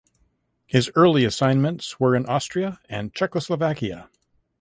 His early assignments were in Austria and Czechoslovakia.